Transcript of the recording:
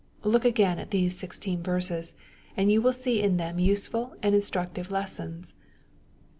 Look again at these sixteen verses, and you will see in them useful and instructive lessons.